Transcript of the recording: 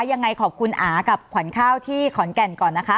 ยังไงขอบคุณอากับขวัญข้าวที่ขอนแก่นก่อนนะคะ